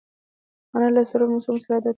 انا له سړو موسمونو سره عادت ده